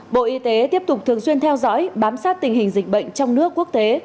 bộ y tế tiếp tục thường xuyên theo dõi bám sát tình hình dịch bệnh trong nước quốc tế